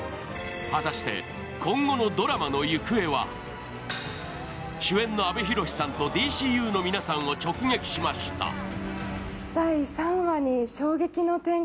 果たして今後のドラマの行方は主演の阿部寛さんと「ＤＣＵ」の皆さんを直撃しました。